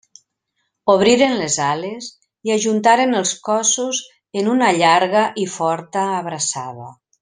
Obriren les ales i ajuntaren els cossos en una llarga i forta «abraçada».